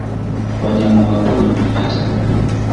Wanyama pori ni hatari